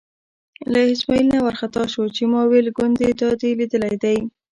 له اسمعیل نه وار خطا شو چې ما ویل ګوندې دا دې لیدلی دی.